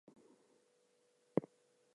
She hired a neighbor to repair the plumbing.